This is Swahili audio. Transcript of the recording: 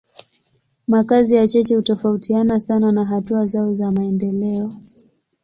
Makazi ya cheche hutofautiana sana na hatua zao za maendeleo.